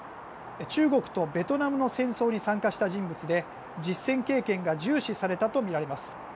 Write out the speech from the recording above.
中国とベトナムの戦争に参加した人物で実戦経験が重視されたとみられます。